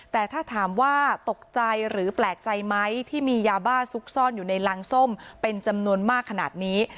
แต่ถ้าถามว่าตกใจหรือแปลกใจไหมที่มียาบ้าซุกซ่อนอยู่ในรังส้มเป็นจำนวนมากขนาดนี้